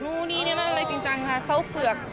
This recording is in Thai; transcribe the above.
นู้นี่อะไรจริงค่ะเขาเฟือก